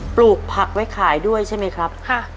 ปลูกผักไว้ขายด้วยใช่ไหมครับ